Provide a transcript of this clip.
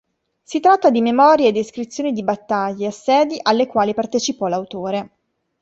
Si tratta di memorie e descrizioni di battaglie e assedi alle quali partecipò l'autore.